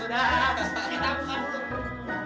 ringan safe ya makasih ya